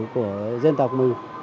của dân tộc mình